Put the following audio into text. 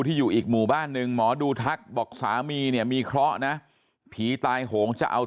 ที่อยู่อีกหมู่บ้านหนึ่งหมอดูทักบอกสามีเนี่ยมีเคราะห์นะผีตายโหงจะเอา